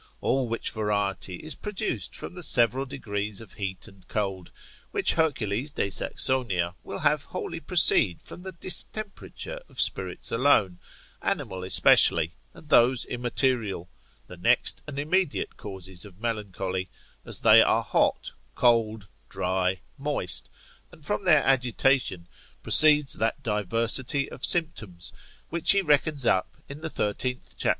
All which variety is produced from the several degrees of heat and cold, which Hercules de Saxonia will have wholly proceed from the distemperature of spirits alone, animal especially, and those immaterial, the next and immediate causes of melancholy, as they are hot, cold, dry, moist, and from their agitation proceeds that diversity of symptoms, which he reckons up, in the thirteenth chap.